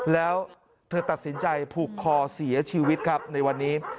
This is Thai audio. แล้วเธอตัดสินใจผูกคอเสียชีวิตครับในวันนี้